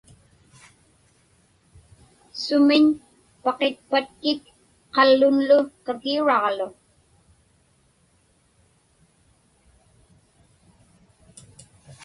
Sumiñ paqitpatkik qallunlu kakiuraġlu?